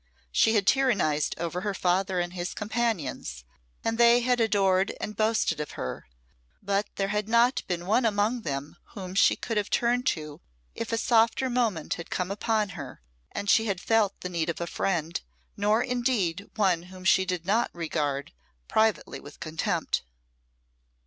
She had tyrannised over her father and his companions, and they had adored and boasted of her; but there had not been one among them whom she could have turned to if a softer moment had come upon her and she had felt the need of a friend, nor indeed one whom she did not regard privately with contempt.